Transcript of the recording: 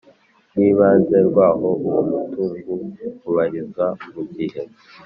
Rw ibanze rw aho uwo mutungu ubarizwa mu gihe